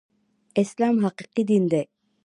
اسلام حقيقي دين دی